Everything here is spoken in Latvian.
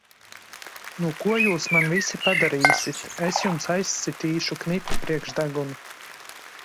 Un ko jūs man visi padarīsit! Es jums aizsitīšu knipi priekš deguna!